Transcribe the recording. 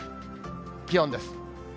気温です。